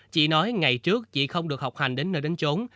chị nói ngày trước chị không được học hành đến nơi đến trốn